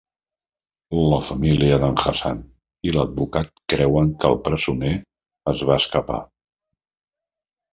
La família d'en Hassan i l'advocat creuen que el presoner es va escapar.